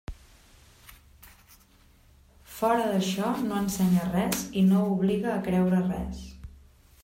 Fora d'això, no ensenya res i no obliga a creure res.